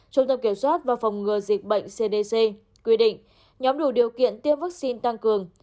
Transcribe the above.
trung tâm kiểm soát và phòng ngừa dịch bệnh cdc quy định nhóm đủ điều kiện tiêm vaccine tăng cường